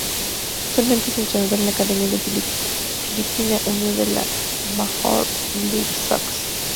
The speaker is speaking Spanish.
Actualmente es entrenador en la academia del Philadelphia Union de la Major League Soccer.